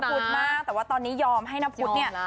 ห่วงนับพุทธมากแต่ว่าตอนนี้ยอมให้นับพุทธเนี่ย